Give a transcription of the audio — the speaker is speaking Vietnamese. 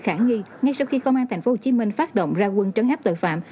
khả nghi ngay sau khi công an tp hcm phát động ra quân trấn áp tội phạm